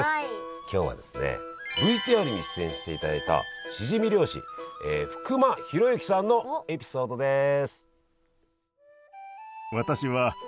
今日はですねＶＴＲに出演していただいたしじみ漁師福間弘幸さんのエピソードです。